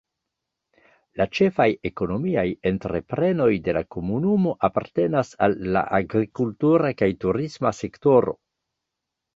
La ĉefaj ekonomiaj entreprenoj de la komunumo apartenas al la agrikultura kaj turisma sektoro.